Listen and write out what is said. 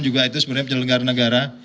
juga itu sebenarnya penyelenggara negara